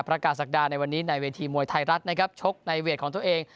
ประกาศศักดาในวันนี้ในเวทีมวยไทยรัฐนะครับชกในเวทของตัวเอง